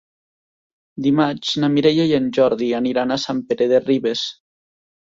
Dimarts na Mireia i en Jordi aniran a Sant Pere de Ribes.